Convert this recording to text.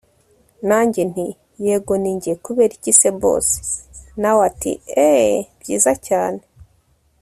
nanjye nti yego ninjye kuberiki se boss!? nawe ati eeeeh!byiza cyane